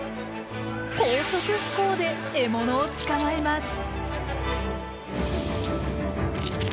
高速飛行で獲物を捕まえます。